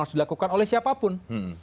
harus dilakukan oleh siapapun